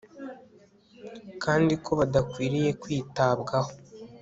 kandi ko badakwiriye kwitabwaho